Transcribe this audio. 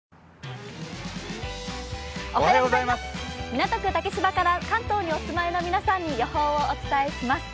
港区竹芝から、関東にお住まいの皆さんに予報をお伝えします。